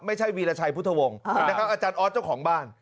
วีรชัยพุทธวงศ์นะครับอาจารย์ออสเจ้าของบ้าน